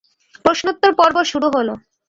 প্রশ্নোত্তর পর্ব শুরু হল।